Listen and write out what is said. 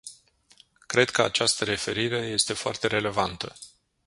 Cred că această referire este foarte relevantă.